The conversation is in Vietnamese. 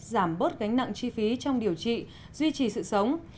giảm bớt gánh nặng chi phí trong điều trị duy trì sự sống